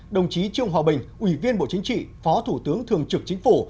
đồng chí trương hòa bình ủy viên bộ chính trị phó thủ tướng thường trực chính phủ